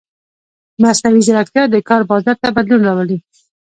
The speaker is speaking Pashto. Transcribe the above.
مصنوعي ځیرکتیا د کار بازار ته بدلون راولي.